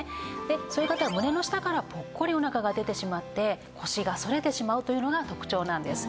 そういう方は胸の下からポッコリお腹が出てしまって腰が反れてしまうというのが特徴なんです。